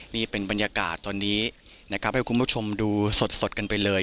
นี่เป็นบรรยากาศตอนนี้นะครับให้คุณผู้ชมดูสดกันไปเลย